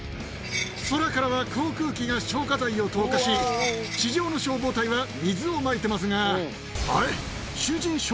空からは航空機が消火剤を投下し、地上の消防隊は、水をまいてますが、あれ？